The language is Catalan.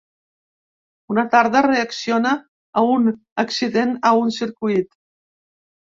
Una tarda, reacciona a un accident a un circuit.